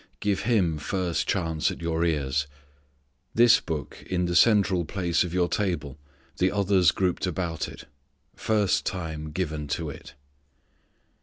Give Him first chance at your ears. This Book in the central place of your table, the others grouped about it. First time given to it.